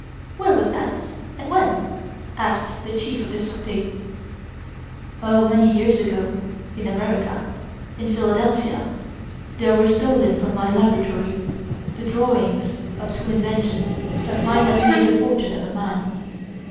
"Where was that, and when?" asked the Chief of the Surete. "Oh! many years ago, in America, in Philadelphia. There were stolen from my laboratory the drawings of two inventions that might have made the fortune of a man.